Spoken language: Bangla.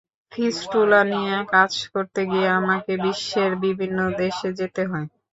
ফিস্টুলা নিয়ে কাজ করতে গিয়ে আমাকে বিশ্বের বিভিন্ন দেশে যেতে হয়।